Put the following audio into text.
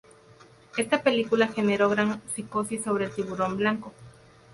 Esta película generó gran psicosis sobre el tiburón blanco.